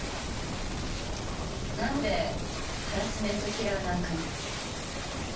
なんでハラスメントキラーなんかに。